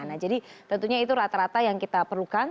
nah jadi tentunya itu rata rata yang kita perlukan